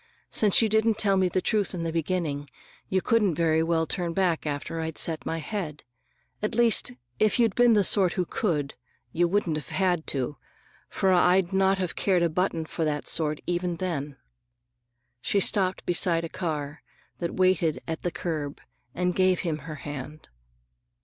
Since you didn't tell me the truth in the beginning, you couldn't very well turn back after I'd set my head. At least, if you'd been the sort who could, you wouldn't have had to,—for I'd not have cared a button for that sort, even then." She stopped beside a car that waited at the curb and gave him her hand.